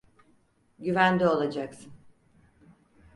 Güvende olacaksın.